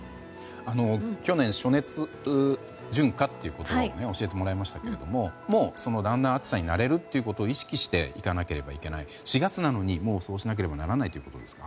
去年、暑熱順化という言葉教えてもらいましたけどもうだんだん暑さに慣れるということを意識していかなければいけない４月なのにもう、そうしなければいけないということですか。